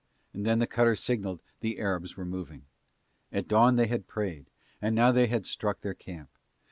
And then the cutter signalled the Arabs were moving. At dawn they had prayed, and now they had struck their camp.